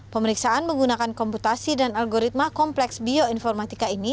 pemeriksaan menggunakan komputasi dan algoritma kompleks bioinformatika ini